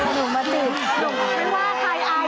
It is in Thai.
หนูมาสิหนูไม่ว่าใครอาย